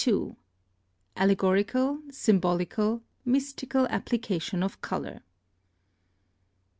ALLEGORICAL, SYMBOLICAL, MYSTICAL APPLICATION OF COLOUR.